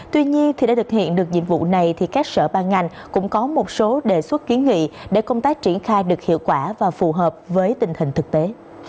tuy nhiên thì để thực hiện được nhiệm vụ này thì các sở ban ngành cũng có một số đề xuất kiến nghị để công tác triển khai được hiệu quả và phù hợp với tình hình thực tế